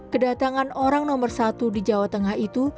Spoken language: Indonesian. kedatangan orang nomor satu di jawa tengah itu